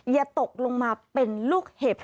อย่าตกลงมาเป็นลูกเห็บ